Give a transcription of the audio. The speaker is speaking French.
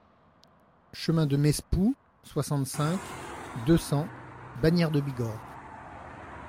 Chemin de Mespoux, soixante-cinq, deux cents Bagnères-de-Bigorre